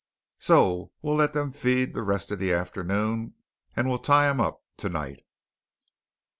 So we'll let them feed the rest of the afternoon, and we'll tie em up to night."